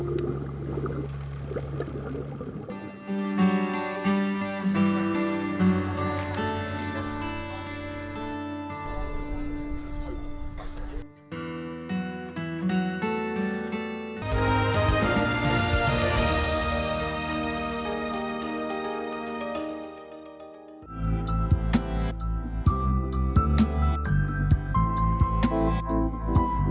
atau menyelam tawar tanah